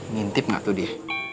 ngintip gak tuh dia